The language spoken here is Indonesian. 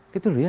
gitu loh ya